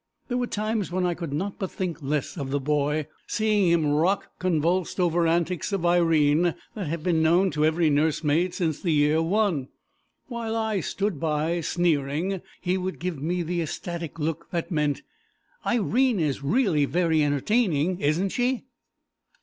There were times when I could not but think less of the boy, seeing him rock convulsed over antics of Irene that have been known to every nursemaid since the year One. While I stood by, sneering, he would give me the ecstatic look that meant, "Irene is really very entertaining, isn't she?"